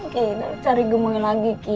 kita cari kemoy lagi